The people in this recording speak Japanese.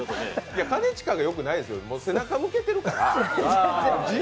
兼近がよくないですよ、背中向けてるから。